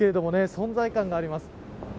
存在感があります。